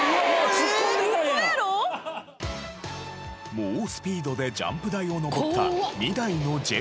猛スピードでジャンプ台を上った２台のジェミニが。